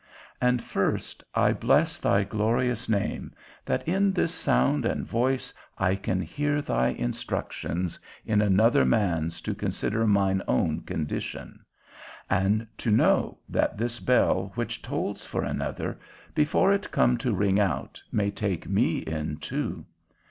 And first, I bless thy glorious name, that in this sound and voice I can hear thy instructions, in another man's to consider mine own condition; and to know, that this bell which tolls for another, before it come to ring out, may take me in too.